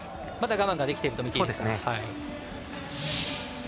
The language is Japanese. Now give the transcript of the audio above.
まだ我慢ができていると。